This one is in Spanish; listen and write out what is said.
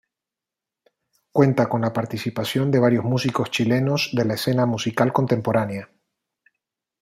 Cuenta con la participación de varios músicos chilenos de la escena musical contemporánea.